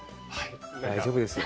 大丈夫ですよ。